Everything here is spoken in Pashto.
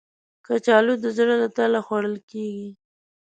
کچالو د زړه له تله خوړل کېږي